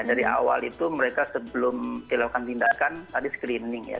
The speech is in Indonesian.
dari awal itu mereka sebelum dilakukan tindakan tadi screening ya